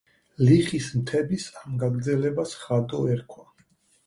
ლიხის მთების ამ გაგრძელებას ღადო ერქვა.